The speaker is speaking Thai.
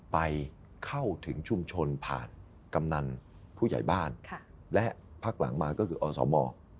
ไปเข้าถึงชุมชนผ่านกำนันผู้ใหญ่บ้านและพักหลังมาก็คืออสม